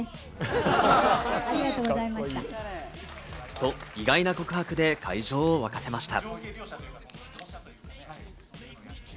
と、意外な告白で会場を沸かせました。